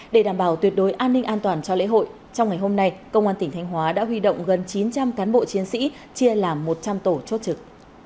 để đảm bảo tuyệt đối an ninh an toàn cho lễ hội trong ngày hôm nay công an tỉnh thanh hóa đã huy động gần chín trăm linh cán bộ chiến sĩ chia làm một trăm linh tổ chốt trực